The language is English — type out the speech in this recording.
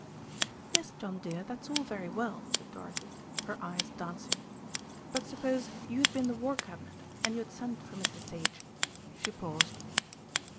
"Yes, John dear, that's all very well," said Dorothy, her eyes dancing, "but suppose you had been the War Cabinet and you had sent for Mr. Sage;" she paused.